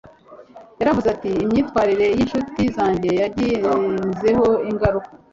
yaravuze ati “imyitwarire y incuti zanjye yangizeho ingaruka